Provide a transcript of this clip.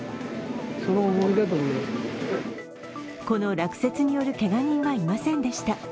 この落雪によるけが人はいませんでした。